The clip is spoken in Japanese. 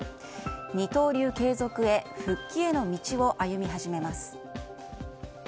二刀流継続へ復帰への道を歩み始めます。